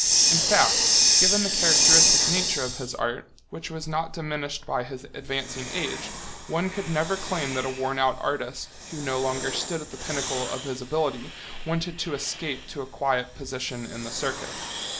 In fact, given the characteristic nature of his art, which was not diminished by his advancing age, one could never claim that a worn out artist, who no longer stood at the pinnacle of his ability, wanted to escape to a quiet position in the circus.